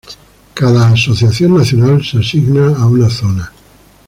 Cada asociación nacional se asigna a una zona.